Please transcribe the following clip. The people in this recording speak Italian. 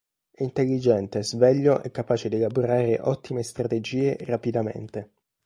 È intelligente, sveglio e capace di elaborare ottime strategie rapidamente.